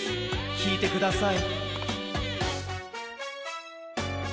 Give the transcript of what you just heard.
きいてください。